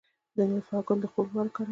د نیلوفر ګل د خوب لپاره وکاروئ